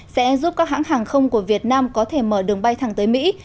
sẽ giúp các hãng hàng không của việt nam có thể mở đường bay thẳng tới mỹ